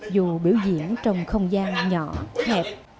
dù biểu diễn trong không gian nhỏ hẹp